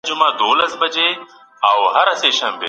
سیمه کي ميشتو ډلو لپاره کارول سوې ده.